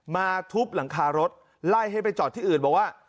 มาทุบหลังคารถไล่ให้ไปจอดที่อื่นบอกว่า